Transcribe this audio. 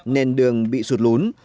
nên đường bị sụt lún